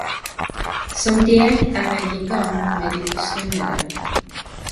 Som deg er eg igang men De forsvunnede.